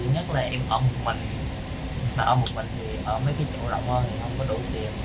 nhất là em ở một mình ở một mình thì ở mấy chỗ rộng thì không có đủ tiền